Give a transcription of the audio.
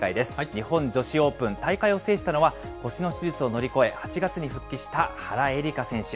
日本女子オープン、大会を制したのは、腰の手術を乗り越え、８月に復帰した原英莉花選手。